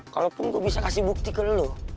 kalaupun gue bisa kasih bukti ke lu